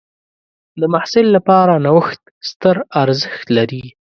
د محصل لپاره نوښت ستر ارزښت لري.